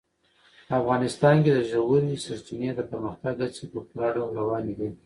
افغانستان کې د ژورې سرچینې د پرمختګ هڅې په پوره ډول روانې دي.